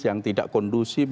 yang tidak kondusif